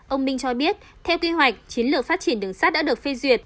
ông minh cho biết theo kế hoạch chiến lược phát triển đường sắt đã được phê duyệt